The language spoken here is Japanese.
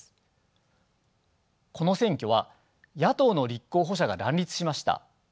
この選挙は野党の立候補者が乱立しました。